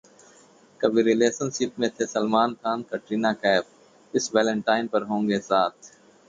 कभी रिलेशनशिप में थे सलमान खान-कटरीना कैफ, इस वैलेंटाइन पर होंगे साथ